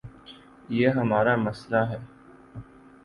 یہ ہمار امسئلہ ہے۔